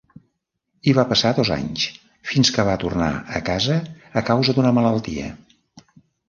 Hi va passar dos anys fins que va tornar a casa a causa d'una malaltia.